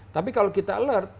tapi kalau kita alert